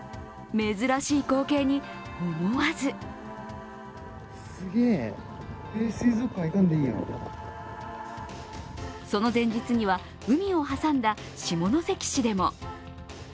珍しい光景に思わずその前日には、海を挟んだ下関市でも。